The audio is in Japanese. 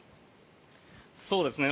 そうですね。